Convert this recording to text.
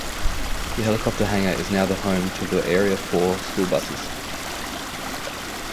The helicopter hangar is now the home to the Area Four school buses.